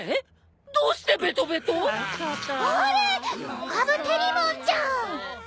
コカブテリモンじゃん！